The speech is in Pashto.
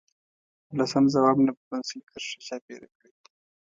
له سم ځواب نه په پنسل کرښه چاپېره کړئ.